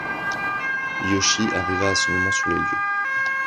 Yoshi arriva à ce moment sur les lieux.